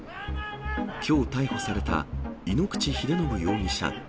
きょう逮捕された井ノ口秀信容疑者